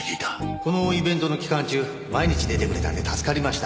このイベントの期間中毎日出てくれたんで助かりました。